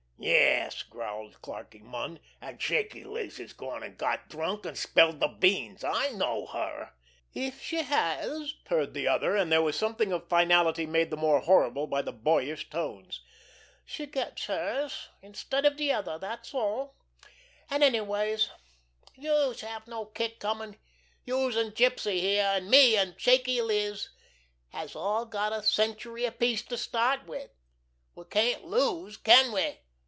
"Yes," growled Clarkie Munn, "an' Shaky Liz has gone an' got drunk, an' spilled de beans! I know her!" "If she has," purred the other, and there was something of finality made the more horrible by the boyish tones, "she gets hers—instead of de other, dat's all. An' anyway, youse have no kick comin'! Youse an' Gypsy here, an' me, an' Shaky Liz has all got a century apiece to start wid. We can't lose, can we?"